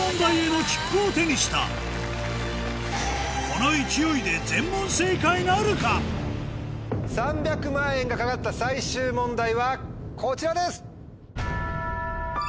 この勢いで３００万円が懸かった最終問題はこちらです！